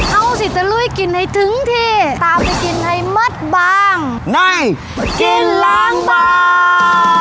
เอาสิตะลุยกินให้ถึงที่ตามไปกินให้มัดบางในกินล้างบาง